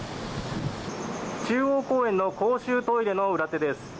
中央公園の公衆トイレの裏手です。